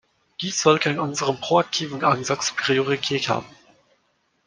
Dies sollte in unserem proaktiven Ansatz Priorität haben.